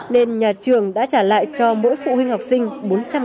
nên nhà trường đã trả lại cho mỗi phụ huynh học sinh